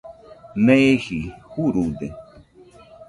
Neeji jurude